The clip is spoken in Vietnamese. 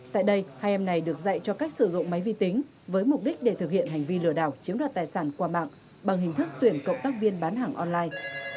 tại đây hai em này được dạy cho cách sử dụng máy vi tính với mục đích để thực hiện hành vi lừa đảo chiếm đoạt tài sản qua mạng bằng hình thức tuyển cộng tác viên bán hàng online